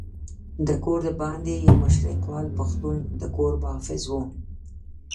د کور دباندې یو مشرقیوال پښتون د کور محافظ وو.